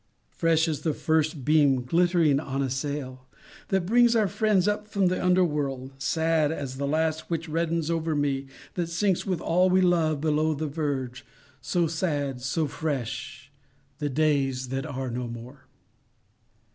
Fresh as the first beam glittering on a sail, That brings our friends up from the underworld, Sad as the last which reddens over one That sinks with all we love below the verge; So sad, so fresh, the days that are no more.